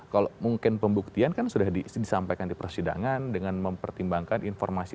kalau mungkin pembuktian kan sudah disampaikan di persidangan dengan mempertimbangkan informasi